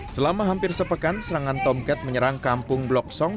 selama hampir sepekan serangan tomcat menyerang kampung blok song